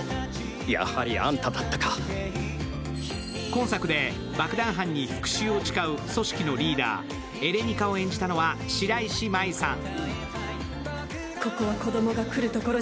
今作で爆弾犯に復しゅうを誓う組織のリーダー、エレニカを演じたのは白石麻衣さん。